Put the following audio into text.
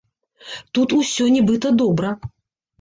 Тут усё, нібыта, добра.